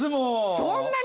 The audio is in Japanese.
そんなに！？